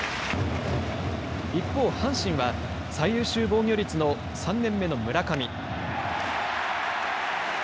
一方、阪神は最優秀防御率の３年目の村上。